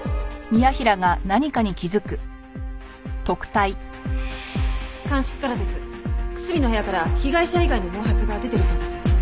楠見の部屋から被害者以外の毛髪が出てるそうです。